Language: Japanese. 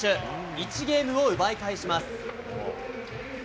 １ゲームを奪い返します。